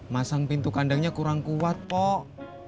masang pintu kandangnya kurang kuat kok